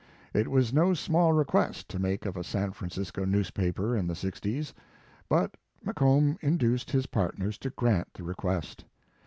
It was no small request to make of a San Francisco newspaper in the 6o s, but McComb induced his partners to grant the request.